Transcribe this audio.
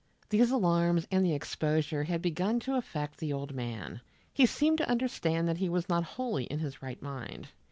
These alarms and the exposure had begun to affect the old man. He seemed to understand that he was not wholly in his right mind.